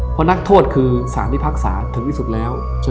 เพราะนักโทษคือสารที่ภาคสาถึงวิสุทธิ์แล้ว